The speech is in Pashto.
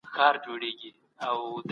پیغمبر وفرمایل چي زه د ذمي حق پوره کوم.